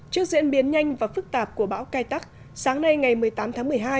trước diễn biến nhanh và phức tạp của bão cay tắc sáng nay ngày một mươi tám tháng một mươi hai